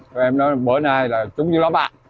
tụi em nói bữa nay là chúng như lắm à